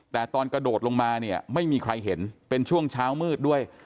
แต่ตอนกระโดดลงมาเนี่ยไม่มีใครเห็นเป็นช่วงเช้ามืดด้วย